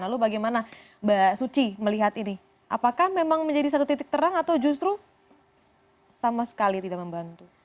lalu bagaimana mbak suci melihat ini apakah memang menjadi satu titik terang atau justru sama sekali tidak membantu